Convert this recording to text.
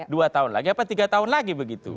dua tahun lagi apa tiga tahun lagi begitu